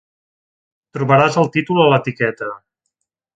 Trobaràs el títol a l'etiqueta.